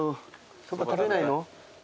そば食べないの？